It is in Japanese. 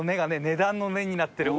値段の「値」になってる。